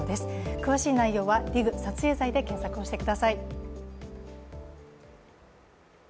詳しい内容はＤＩＧ撮影罪で検索してください。